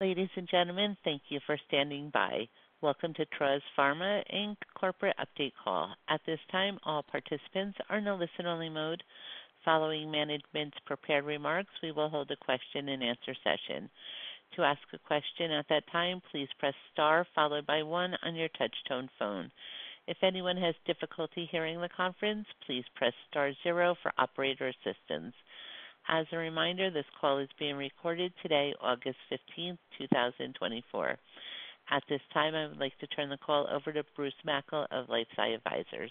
Ladies and gentlemen, thank you for standing by. Welcome to Traws Pharma, Inc Corporate Update Call. At this time, all participants are in a listen-only mode. Following management's prepared remarks, we will hold a question-and-answer session. To ask a question at that time, please press star, followed by one on your touchtone phone. If anyone has difficulty hearing the conference, please press star zero for operator assistance. As a reminder, this call is being recorded today, August 15th, 2024. At this time, I would like to turn the call over to Bruce Mackle of LifeSci Advisors.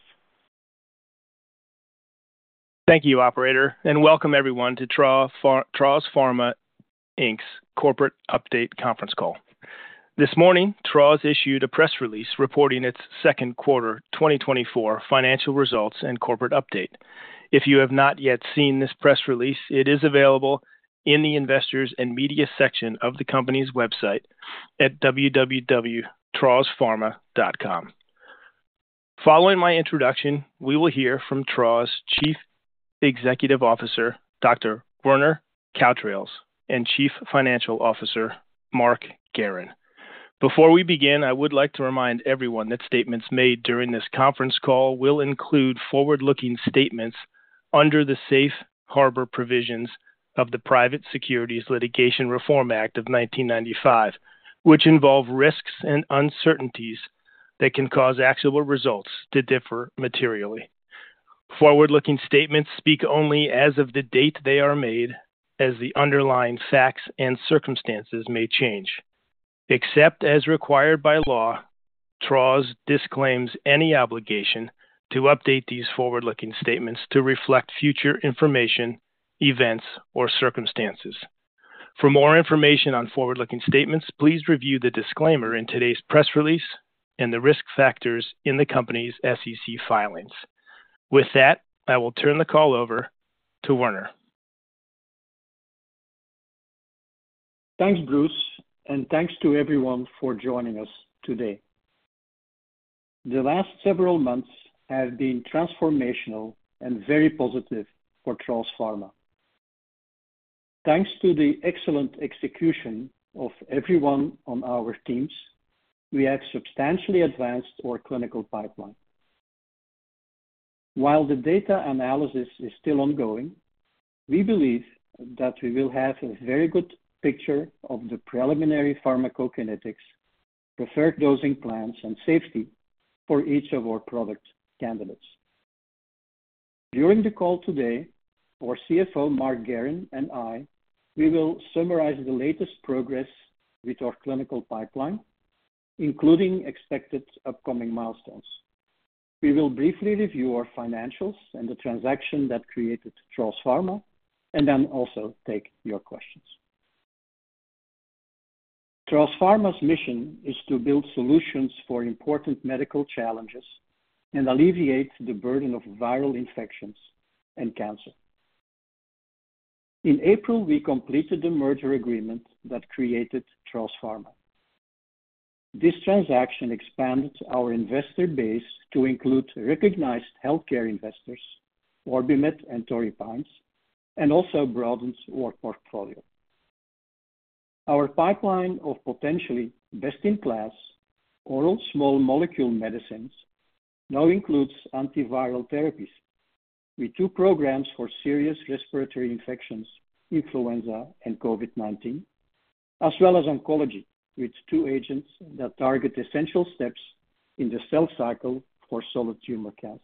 Thank you, operator, and welcome everyone to Traws Pharma, Inc's Corporate Update Conference Call. This morning, Traws Pharma issued a press release reporting its second quarter 2024 financial results and corporate update. If you have not yet seen this press release, it is available in the Investors and Media section of the company's website at www.trawspharma.com. Following my introduction, we will hear from Traws' Chief Executive Officer, Dr. Werner Cautreels, and Chief Financial Officer, Mark Guerin. Before we begin, I would like to remind everyone that statements made during this conference call will include forward-looking statements under the safe harbor provisions of the Private Securities Litigation Reform Act of 1995, which involve risks and uncertainties that can cause actual results to differ materially. Forward-looking statements speak only as of the date they are made, as the underlying facts and circumstances may change. Except as required by law, Traws disclaims any obligation to update these forward-looking statements to reflect future information, events, or circumstances. For more information on forward-looking statements, please review the disclaimer in today's press release and the risk factors in the company's SEC filings. With that, I will turn the call over to Werner. Thanks, Bruce, and thanks to everyone for joining us today. The last several months have been transformational and very positive for Traws Pharma. Thanks to the excellent execution of everyone on our teams, we have substantially advanced our clinical pipeline. While the data analysis is still ongoing, we believe that we will have a very good picture of the preliminary pharmacokinetics, preferred dosing plans, and safety for each of our product candidates. During the call today, our CFO, Mark Guerin, and I, we will summarize the latest progress with our clinical pipeline, including expected upcoming milestones. We will briefly review our financials and the transaction that created Traws Pharma, and then also take your questions. Traws Pharma's mission is to build solutions for important medical challenges and alleviate the burden of viral infections and cancer. In April, we completed the merger agreement that created Traws Pharma. This transaction expanded our investor base to include recognized healthcare investors, OrbiMed and Torrey Pines, and also broadens our portfolio. Our pipeline of potentially best-in-class oral small molecule medicines now includes antiviral therapies, with two programs for serious respiratory infections, influenza and COVID-19, as well as oncology, with two agents that target essential steps in the cell cycle for solid tumor cancers.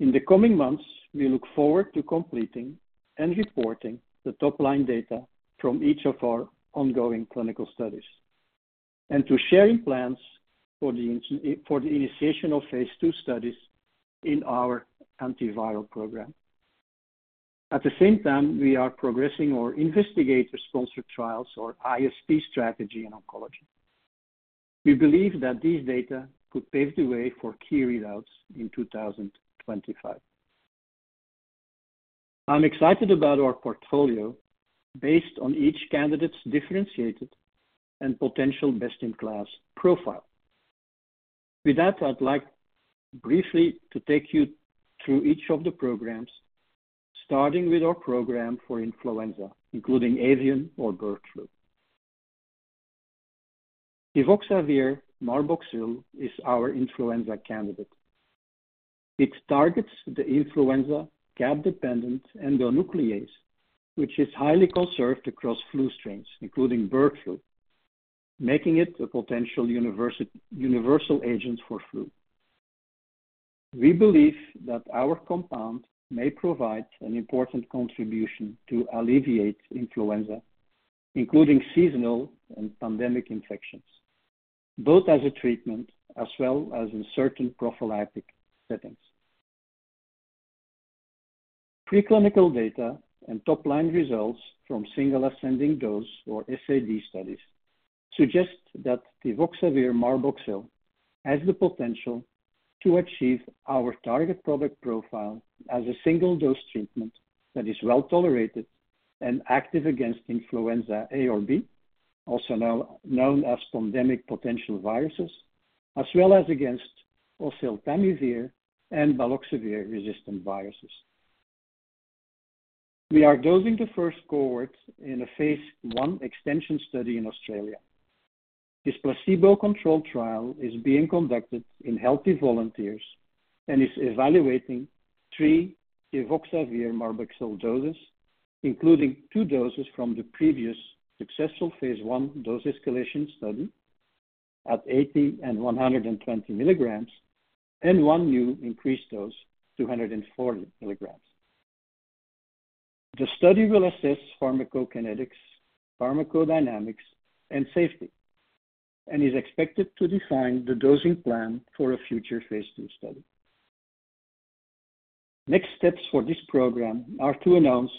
In the coming months, we look forward to completing and reporting the top-line data from each of our ongoing clinical studies, and to sharing plans for the initiation of phase II studies in our antiviral program. At the same time, we are progressing our investigator-sponsored trials or IST strategy in oncology. We believe that these data could pave the way for key readouts in 2025. I'm excited about our portfolio based on each candidate's differentiated and potential best-in-class profile. With that, I'd like briefly to take you through each of the programs, starting with our program for influenza, including avian or bird flu. Tivoxavir marboxil is our influenza candidate. It targets the influenza cap-dependent endonuclease, which is highly conserved across flu strains, including bird flu, making it a potential universal agent for flu. We believe that our compound may provide an important contribution to alleviate influenza, including seasonal and pandemic infections, both as a treatment as well as in certain prophylactic settings. Preclinical data and top-line results from single ascending dose, or SAD studies, suggest that tivoxavir marboxil has the potential to achieve our target product profile as a single-dose treatment that is well-tolerated and active against influenza A or B, also now known as pandemic potential viruses, as well as against oseltamivir and baloxavir-resistant viruses. We are dosing the first cohort in a phase I extension study in Australia. This placebo-controlled trial is being conducted in healthy volunteers and is evaluating three tivoxavir marboxil doses, including two doses from the previous successful phase I dose-escalation study at 80 mg and 120 mg, and one new increased dose, 240 mg. The study will assess pharmacokinetics, pharmacodynamics, and safety, and is expected to define the dosing plan for a future phase II study. Next steps for this program are to announce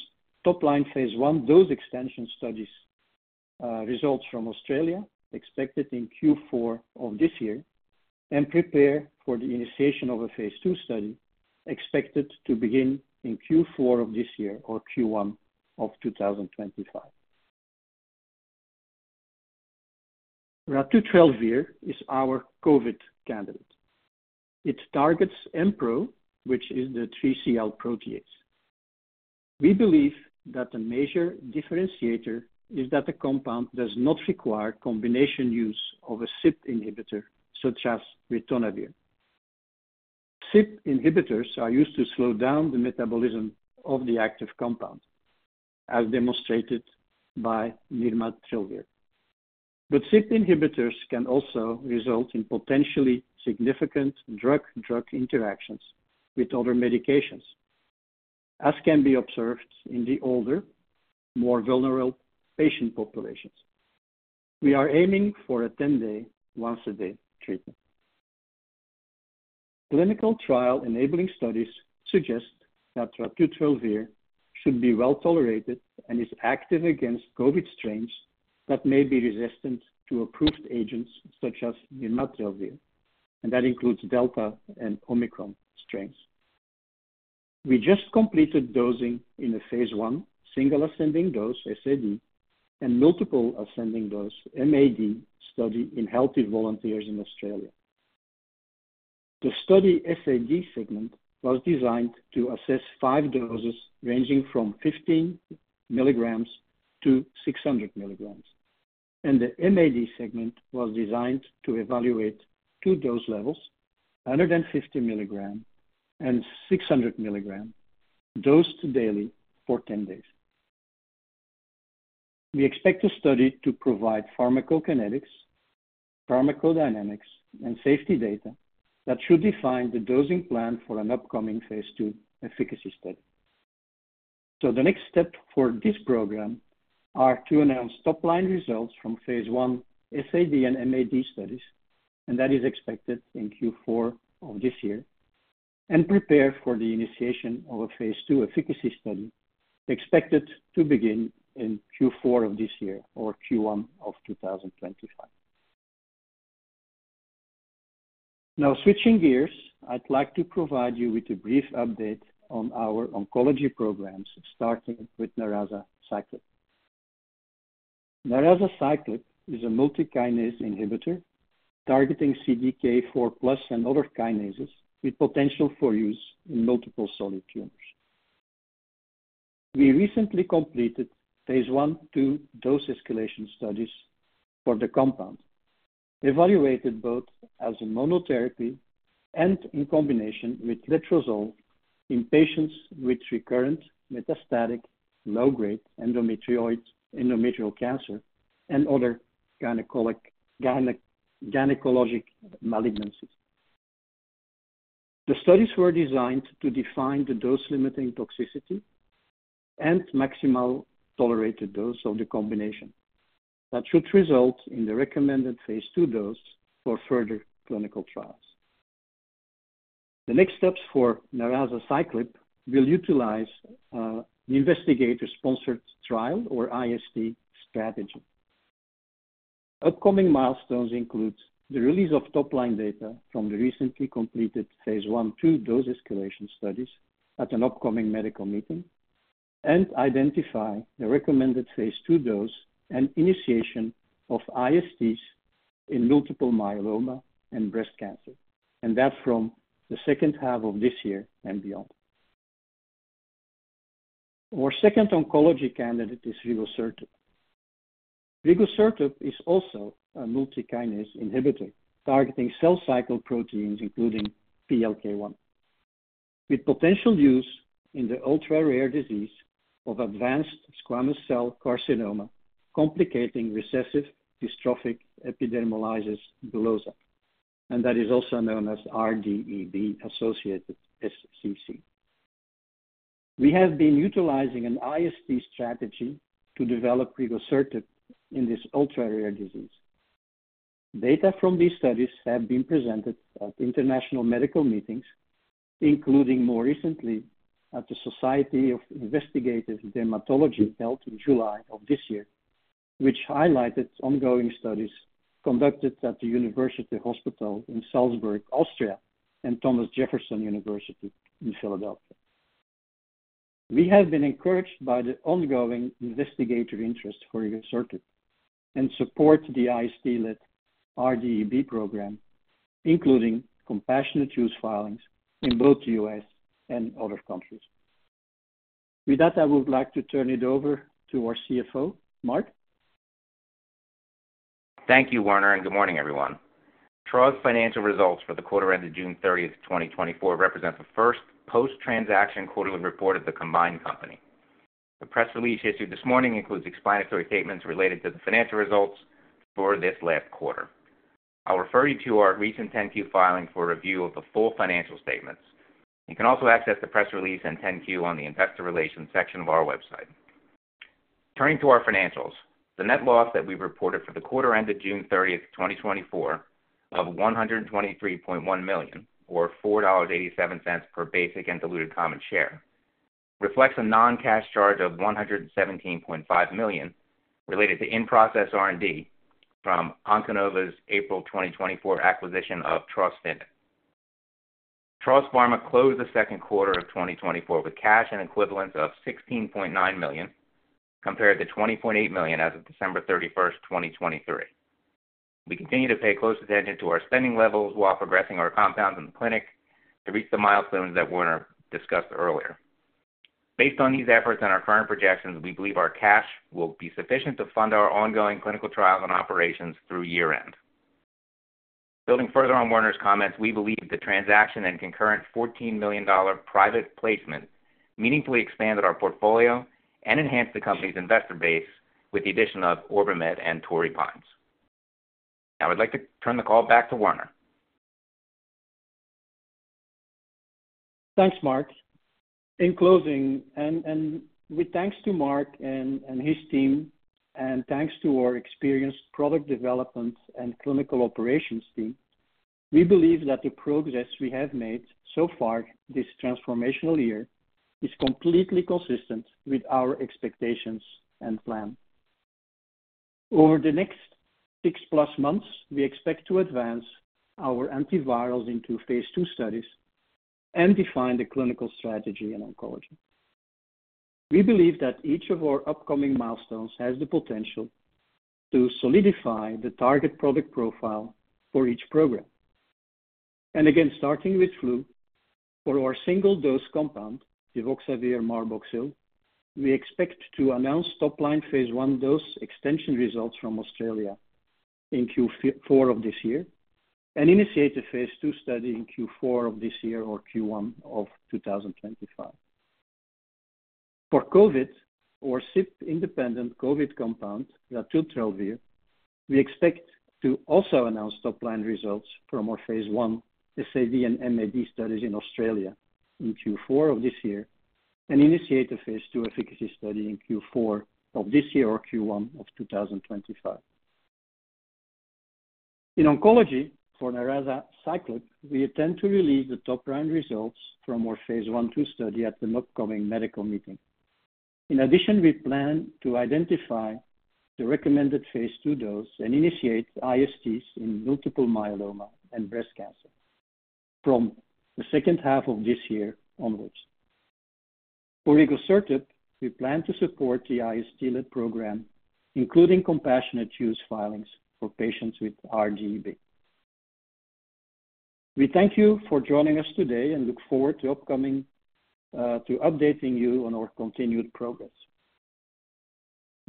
top-line phase I dose extension studies results from Australia, expected in Q4 of this year, and prepare for the initiation of a phase II study, expected to begin in Q4 of this year or Q1 of 2025. Ratutrelvir is our COVID candidate. It targets Mpro, which is the 3CL protease. We believe that the major differentiator is that the compound does not require combination use of a CYP inhibitor, such as ritonavir. CYP inhibitors are used to slow down the metabolism of the active compound, as demonstrated by nirmatrelvir. CYP inhibitors can also result in potentially significant drug and drug interactions with other medications, as can be observed in the older, more vulnerable patient populations. We are aiming for a 10-day, once-a-day treatment. Clinical trial-enabling studies suggest that ratutrelvir should be well-tolerated and is active against COVID strains that may be resistant to approved agents, such as nirmatrelvir, and that includes Delta and Omicron strains. We just completed dosing in a phase I, single ascending dose, SAD, and multiple ascending dose, MAD, study in healthy volunteers in Australia. The study SAD segment was designed to assess five doses ranging from 15 mg to 600 mg, and the MAD segment was designed to evaluate two dose levels, 150 mg and 600 mg, dosed daily for 10 days. We expect the study to provide pharmacokinetics, pharmacodynamics, and safety data that should define the dosing plan for an upcoming phase II efficacy study. So the next step for this program are to announce top-line results from phase I SAD and MAD studies, and that is expected in Q4 of this year, and prepare for the initiation of a phase II efficacy study, expected to begin in Q4 of this year or Q1 of 2025. Now, switching gears, I'd like to provide you with a brief update on our oncology programs, starting with narazaciclib. Narazaciclib is a multi-kinase inhibitor, targeting CDK4+ and other kinases with potential for use in multiple solid tumors. We recently completed phase I, II dose-escalation studies for the compound, evaluated both as a monotherapy and in combination with letrozole in patients with recurrent, metastatic, low-grade endometrioid, endometrial cancer and other gynecologic malignancies. The studies were designed to define the dose-limiting toxicity and maximal tolerated dose of the combination, that should result in the recommended phase II dose for further clinical trials. The next steps for narazaciclib will utilize the investigator-sponsored trial or IST strategy. Upcoming milestones includes the release of top-line data from the recently completed phase I, II dose-escalation studies at an upcoming medical meeting, and identify the recommended phase II dose and initiation of ISTs in multiple myeloma and breast cancer, and that's from the second half of this year and beyond. Our second oncology candidate is rigosertib. Rigosertib is also a multi-kinase inhibitor, targeting cell cycle proteins, including PLK-1, with potential use in the ultra-rare disease of advanced squamous cell carcinoma, complicating recessive dystrophic epidermolysis bullosa, and that is also known as RDEB-associated SCC. We have been utilizing an IST strategy to develop rigosertib in this ultra-rare disease. Data from these studies have been presented at international medical meetings, including more recently at the Society of Investigative Dermatology, held in July of this year, which highlighted ongoing studies conducted at the University Hospital in Salzburg, Austria, and Thomas Jefferson University in Philadelphia. We have been encouraged by the ongoing investigator interest for rigosertib and support the IST-led RDEB program, including compassionate use filings in both the U.S. and other countries. With that, I would like to turn it over to our CFO, Mark. Thank you, Werner, and good morning, everyone. Traws' financial results for the quarter ended June 30, 2024, represent the first post-transaction quarterly report of the combined company. The press release issued this morning includes explanatory statements related to the financial results for this last quarter. I'll refer you to our recent 10-Q filing for a review of the full financial statements. You can also access the press release and 10-Q on the investor relations section of our website. Turning to our financials, the net loss that we reported for the quarter ended June 30th, 2024, of $123.1 million, or $4.87 per basic and diluted common share, reflects a non-cash charge of $117.5 million related to in-process R&D from Onconova's April 2024 acquisition of Trawsfynydd. Traws Pharma closed the second quarter of 2024 with cash and equivalents of $16.9 million, compared to $20.8 million as of December 31st, 2023. We continue to pay close attention to our spending levels while progressing our compounds in the clinic to reach the milestones that Werner discussed earlier. Based on these efforts and our current projections, we believe our cash will be sufficient to fund our ongoing clinical trials and operations through year-end. Building further on Werner's comments, we believe the transaction and concurrent $14 million private placement meaningfully expanded our portfolio and enhanced the company's investor base with the addition of OrbiMed and Torrey Pines. I would like to turn the call back to Werner. Thanks, Mark. In closing, with thanks to Mark and his team, and thanks to our experienced product development and clinical operations team, we believe that the progress we have made so far this transformational year is completely consistent with our expectations and plan. Over the next six-plus months, we expect to advance our antivirals into phase II studies and define the clinical strategy in oncology. We believe that each of our upcoming milestones has the potential to solidify the target product profile for each program. And again, starting with flu, for our single-dose compound, tivoxavir marboxil, we expect to announce top-line phase I dose extension results from Australia in Q4 of this year and initiate a phase II study in Q4 of this year or Q1 of 2025. For COVID, or CYP-independent COVID compound, ratutrelvir, we expect to also announce top-line results from our phase I SAD and MAD studies in Australia in Q4 of this year and initiate a phase II efficacy study in Q4 of this year or Q1 of 2025. In oncology, for narazaciclib, we intend to release the top-line results from our phase I, II study at an upcoming medical meeting. In addition, we plan to identify the recommended phase II dose and initiate ISTs in multiple myeloma and breast cancer from the second half of this year onwards. For rigosertib, we plan to support the IST-led program, including compassionate use filings for patients with RDEB. We thank you for joining us today and look forward to upcoming to updating you on our continued progress.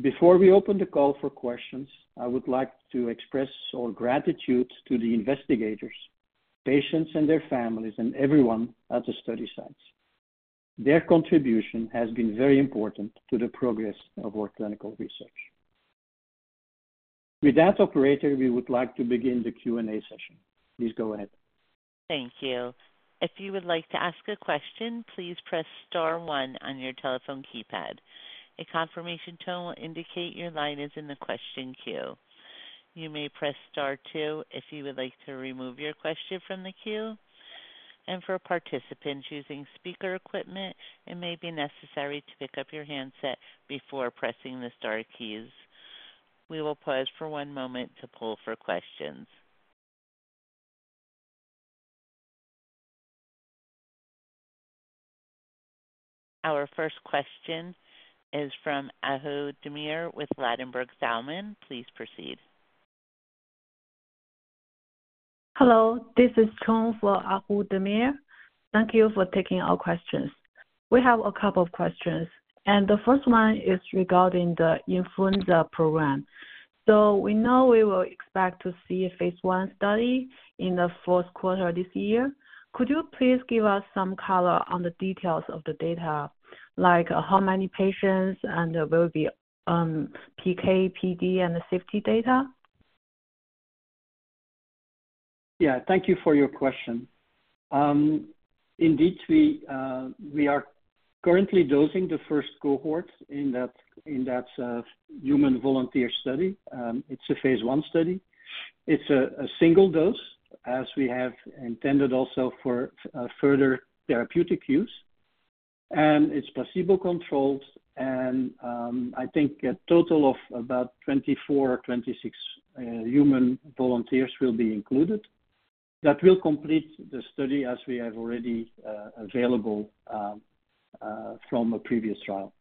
Before we open the call for questions, I would like to express our gratitude to the investigators, patients and their families, and everyone at the study sites. Their contribution has been very important to the progress of our clinical research. With that, operator, we would like to begin the Q&A session. Please go ahead. Thank you. If you would like to ask a question, please press star one on your telephone keypad. A confirmation tone will indicate your line is in the question queue. You may press star two if you would like to remove your question from the queue, and for participants using speaker equipment, it may be necessary to pick up your handset before pressing the star keys. We will pause for one moment to pull for questions. Our first question is from Ahu Demir with Ladenburg Thalmann. Please proceed. Hello, this is Chong for Ahu Demir. Thank you for taking our questions. We have a couple of questions, and the first one is regarding the influenza program. So we know we will expect to see a phase I study in the fourth quarter of this year. Could you please give us some color on the details of the data, like how many patients and will be, PK, PD, and the safety data? Yeah. Thank you for your question. Indeed, we are currently dosing the first cohort in that human volunteer study. It's a phase I study. It's a single dose, as we have intended also for further therapeutic use, and it's placebo-controlled and, I think a total of about 24, 26 human volunteers will be included. That will complete the study as we have already available from a previous trial.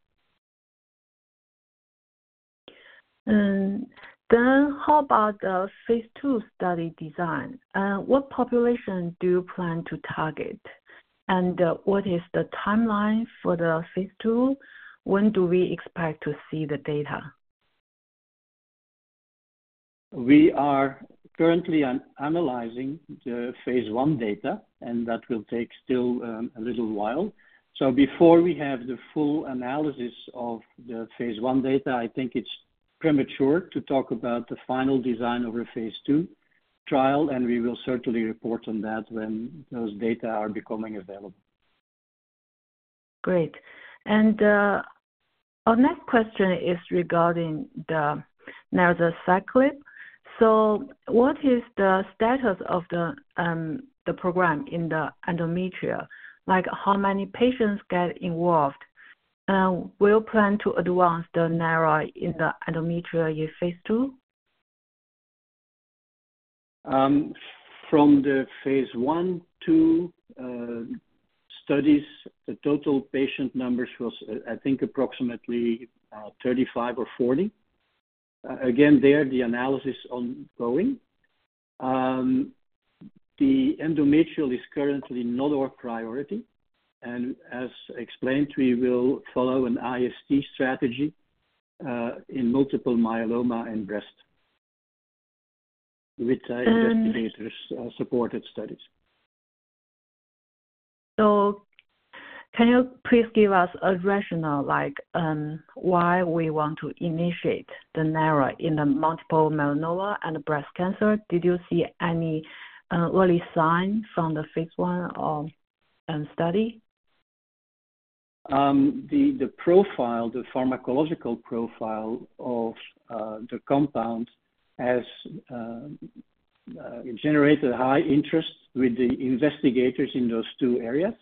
And then how about the phase II study design? What population do you plan to target? And, what is the timeline for the phase II? When do we expect to see the data? We are currently analyzing the phase I data, and that will take still a little while. So before we have the full analysis of the phase I data, I think it's premature to talk about the final design of a phase II trial, and we will certainly report on that when those data are becoming available. Great. Our next question is regarding the narazaciclib. So what is the status of the program in the endometrium? Like, how many patients get involved, and will plan to advance the nara in the endometrial in phase II? From the phase I, II studies, the total patient numbers was, I think, approximately 35 or 40. Again, there, the analysis ongoing. The endometrial is currently not our priority, and as explained, we will follow an IST strategy in multiple myeloma and breast with investigator supported studies. Can you please give us a rationale like why we want to initiate the nara in the multiple myeloma and breast cancer? Did you see any early signs from the phase I study? The pharmacological profile of the compound has generated high interest with the investigators in those two areas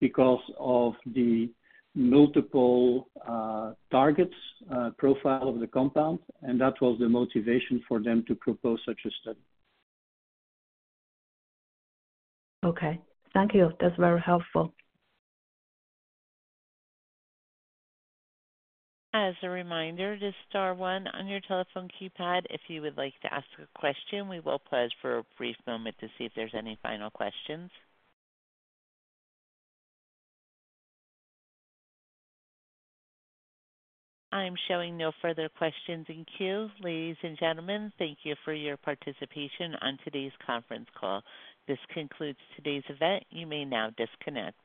because of the multiple targets profile of the compound, and that was the motivation for them to propose such a study. Okay. Thank you. That's very helpful. As a reminder, just star one on your telephone keypad if you would like to ask a question. We will pause for a brief moment to see if there's any final questions. I'm showing no further questions in queue. Ladies and gentlemen, thank you for your participation on today's conference call. This concludes today's event. You may now disconnect.